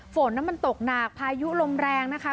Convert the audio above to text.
ฝนมันตกหนักพายุลมแรงนะคะ